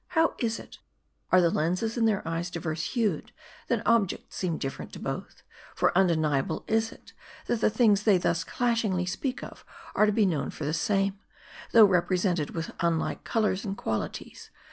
How is it ? Are the lenses in their eyes diverse hued, that objects seem different to both ; for undeniable is it, that the things they thus dashingly speak of are to be known for the same ; though represented with unlike colors and qualities.